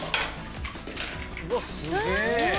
うわあすげえ。